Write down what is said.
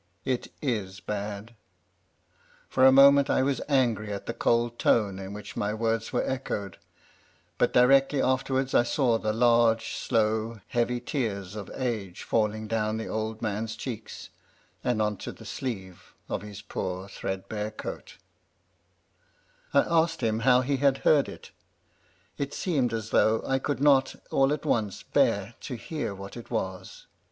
"* It is bad.' For a moment I was angry at the cold tone in which my words were echoed ; but directly afterwards I saw the large, slow, heavy tears of 132 MY LADY LUDLOW. age falling down the old man's cheeks, and on to the sleeves of his poor, thread bare coat I asked him how he had heard it : it seemed as though I could not all at once bear to hear what it was.